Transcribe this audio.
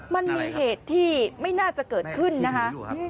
มันมีเหตุที่ไม่น่าจะเกิดขึ้นนะคะ